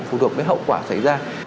phù đột với hậu quả xảy ra